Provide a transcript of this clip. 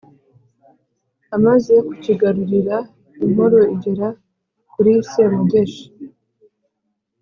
amaze kucyigarurira, inkuru igera kuri semugeshi